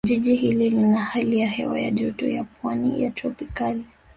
Jiji hili lina hali ya hewa ya Joto ya Pwani ya Tropicali